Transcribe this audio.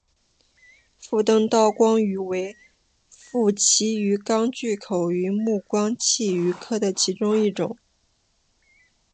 腹灯刀光鱼为辐鳍鱼纲巨口鱼目光器鱼科的其中一种。